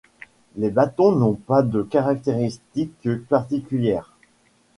Les bâtons n'ont pas de caractéristiques particulières.